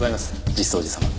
実相寺様。